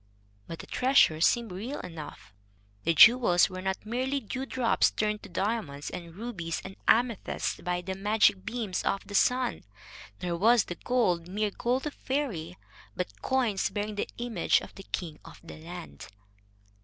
But the treasure seemed real enough. The jewels were not merely dewdrops turned to diamonds and rubies and amethysts by the magic beams of the sun, nor was the gold mere gold of faerie, but coins bearing the image of the king of the land.